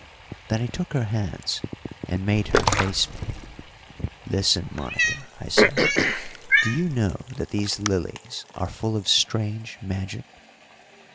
Then I took her hands and made her face me. "Listen, Monica," I said. "Do you know that these lilies are full of strange magic?